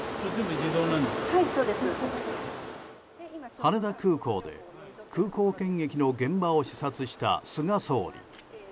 羽田空港で、空港検疫の現場を視察した菅総理。